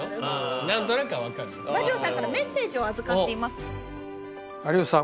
何となくは分かる馬上さんからメッセージを預かっています有吉さん